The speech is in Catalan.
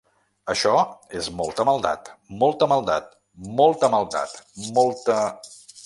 Això és molta maldat, molta maldat, molta maldat, molta…